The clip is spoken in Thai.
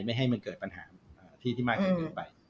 ไม่ให้มันเกิดปัญหาที่ที่มากเกินไป